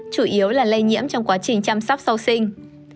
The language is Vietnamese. chủ yếu là lây nhiễm trong quá trình chăm sóc sau sinh